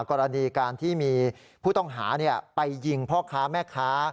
กรณีการที่มีผู้ต้องหาไปยิงพ่อค้าแม่ค้า